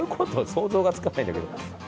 想像がつかないんだけど。